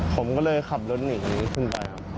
ผมก็เลยขับรถหนีขึ้นไปครับ